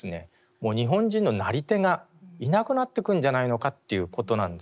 もう日本人のなり手がいなくなってくんじゃないのかということなんですよね。